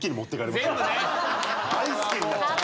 大好きになっちゃった。